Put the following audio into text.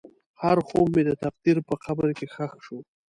هر خوب مې د تقدیر په قبر کې ښخ شو.